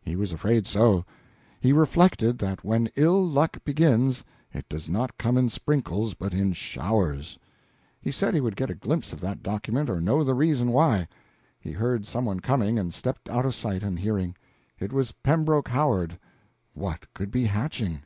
He was afraid so. He reflected that when ill luck begins, it does not come in sprinkles, but in showers. He said he would get a glimpse of that document or know the reason why. He heard some one coming, and stepped out of sight and hearing. It was Pembroke Howard. What could be hatching?